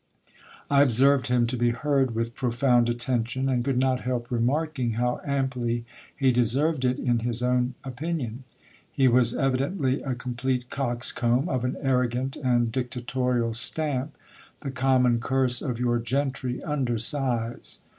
I observed him to be heard with profound attention, and could not help remarking how amply he deserved it in his own opinion. He was evidently a complete coxcomb, of an arrogant and dictatorial stamp, the common curse of your gentry under size.